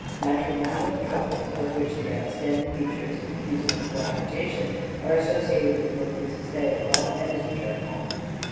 Matrimonial troubles, of which the outstanding feature is a refusal of cohabitation, are associated with both his stay abroad and his return home.